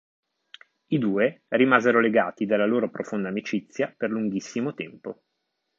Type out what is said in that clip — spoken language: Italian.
I due rimasero legati dalla loro profonda amicizia per lunghissimo tempo.